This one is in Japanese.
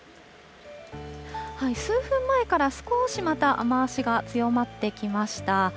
数分前から、少しまた雨足が強まってきました。